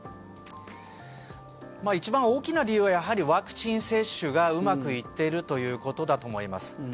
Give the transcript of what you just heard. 一番大きな理由はやはりワクチン接種がうまくいっているということだと思います。